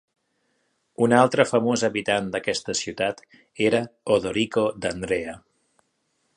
Un altre famós habitant d'aquesta ciutat era Odorico D'Andrea.